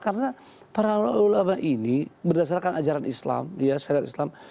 karena para ulama ini berdasarkan ajaran islam syariat islam